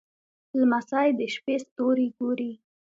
لمسی د شپې ستوري ګوري.